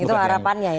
itu harapannya ya